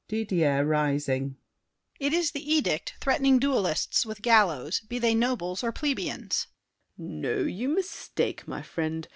DIDIER (rising). It is the edict threatening duelists With gallows, be they nobles or plebeians. SAVERNY. No, you mistake, my friend.